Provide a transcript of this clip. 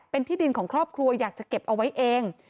เป็นที่ดินของครอบครัวอยากจะเก็บเอาไว้เอง